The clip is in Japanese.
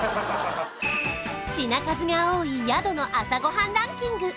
品数が多い宿の朝ごはんランキング